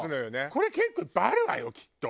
これ結構いっぱいあるわよきっと。